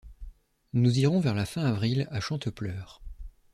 Nous irons vers la fin d’avril à Chantepleurs.